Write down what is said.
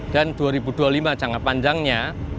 dan dua ribu dua puluh lima jangka panjangnya